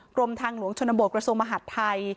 กรมทางหลวงชนบทกระทรวงมหาดไทย